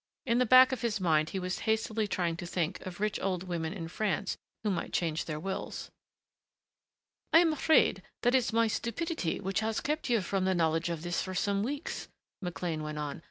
In the back of his mind he was hastily trying to think of rich old women in France who might change their wills. "I am afraid that it is my stupidity which has kept you from the knowledge of this for some weeks," McLean went on.